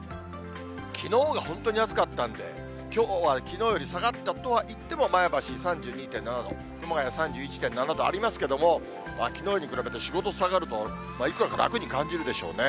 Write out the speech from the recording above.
きのうが本当に暑かったんで、きょうはきのうより下がったとは言っても、前橋３２．７度、熊谷３１．７度ありますけれども、きのうに比べて４、５度下がると、いくらか楽に感じるでしょうね。